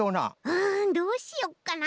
うんどうしよっかな。